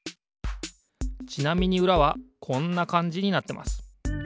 ちなみにうらはこんなかんじになってます。